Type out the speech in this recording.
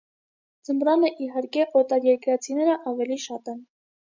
Ձմռանը իհարկե օտարերկրացիները ավելի շատ են։